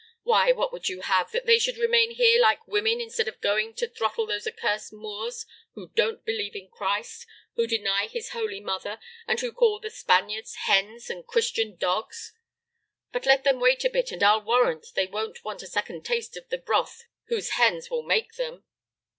"Why, what would you have? That they should remain here like women, instead of going to throttle those accursed Moors who don't believe in Christ, who deny His Holy Mother, and who call the Spaniards 'hens' and 'Christian dogs'? But let them wait a bit, and I'll warrant they won't want a second taste of the broth those hens will make them!